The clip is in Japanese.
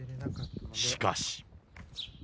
しかし。